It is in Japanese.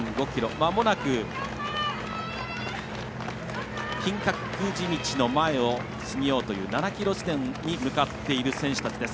まもなく金閣寺道の前を過ぎようという７ｋｍ地点に向かっている選手たちです。